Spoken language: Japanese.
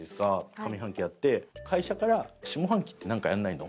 上半期やって会社から「下半期ってなんかやらないの？」